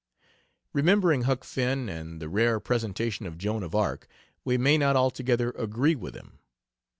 Remembering Huck Finn, and the rare presentation of Joan of Arc, we may not altogether agree with him.